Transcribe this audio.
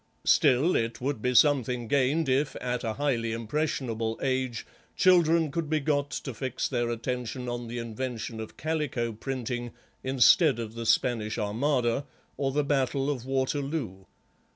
Still, it would be something gained if, at a highly impressionable age, children could be got to fix their attention on the invention of calico printing instead of the Spanish Armada or the Battle of Waterloo.